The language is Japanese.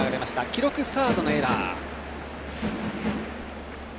記録はサードのエラー。